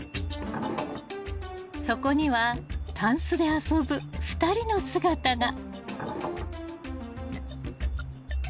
［そこにはたんすで遊ぶ２人の姿が］